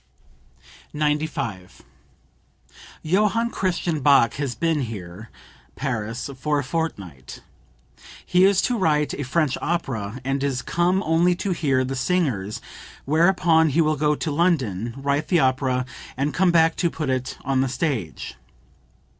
95. "Johann Christian Bach has been here (Paris) for a fortnight. He is to write a French opera, and is come only to hear the singers, whereupon he will go to London, write the opera, and come back to put it on the stage.